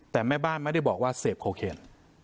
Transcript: แต่แม่บ้านไม่ได้บอกว่าเสพโคเคน